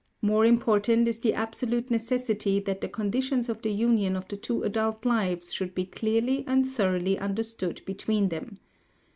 More important is the absolute necessity that the conditions of the union of the two adult lives should be clearly and thoroughly understood between them.